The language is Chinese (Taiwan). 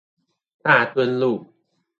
大墩路